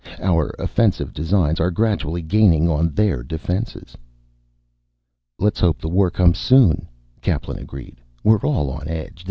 Our offensive designs are gradually gaining on their defenses." "Let's hope the war comes soon," Kaplan agreed. "We're all on edge.